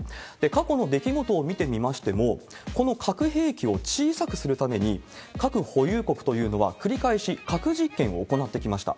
過去の出来事を見てみましても、この核兵器を小さくするために、核保有国というのは繰り返し核実験を行ってきました。